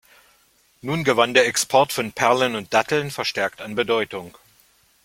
Nun gewann der Export von Perlen und Datteln verstärkt an Bedeutung.